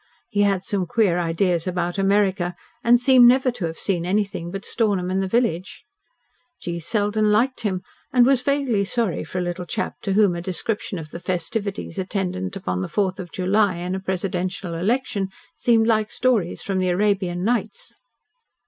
He had some queer ideas about America, and seemed never to have seen anything but Stornham and the village. G. Selden liked him, and was vaguely sorry for a little chap to whom a description of the festivities attendant upon the Fourth of July and a Presidential election seemed like stories from the Arabian Nights.